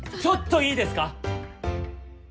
ちょっといいですか？